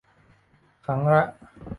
ครั้งละ